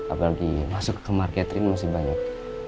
apalagi masuk ke rumah catherine masih banyak